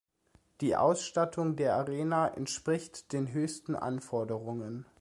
Die Ausstattung der Arena entspricht den höchsten Anforderungen.